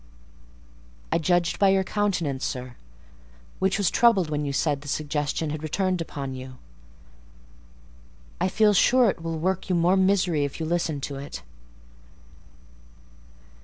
"I judged by your countenance, sir, which was troubled when you said the suggestion had returned upon you. I feel sure it will work you more misery if you listen to it."